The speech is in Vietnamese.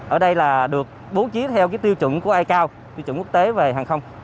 ở đây là được bố trí theo cái tiêu chuẩn của icao tiêu chuẩn quốc tế về hàng không